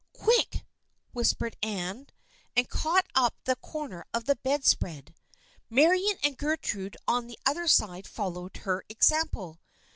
" Quick !" whispered Anne, and caught up the corner of the bed spread. Marian and Gertrude on the other side followed her example.